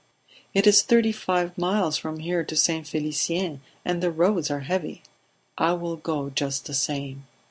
"It is thirty five miles from here to St. Felicien and the roads are heavy." "I will go just the same."